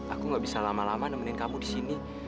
aku gak bisa lama lama nemenin kamu di sini